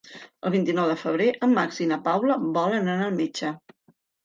El vint-i-nou de febrer en Max i na Paula volen anar al metge.